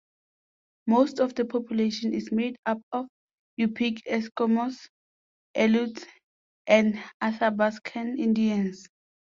Most of the population is made up of Yupik Eskimos, Aleuts, and Athabascan Indians.